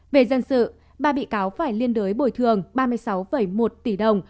về dân sự ba bị cáo phải liên đối bồi thường ba mươi sáu một tỷ đồng